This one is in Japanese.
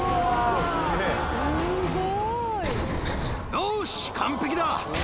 よーし、完璧だ！